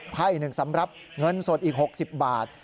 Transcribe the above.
ถ้าอีกหนึ่งสำหรับเงินสดอีก๖๐บาท